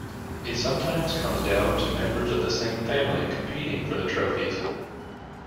It sometimes comes down to members of the same family competing for the trophies.